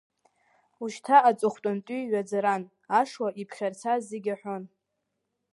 Ушьҭа аҵыхәтәантәи ҩаӡаран, Ашла иԥхьарца зегь аҳәон…